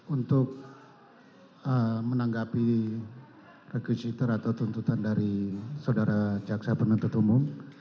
untuk menanggapi rekusitor atau tuntutan dari saudara caksa penuntut umum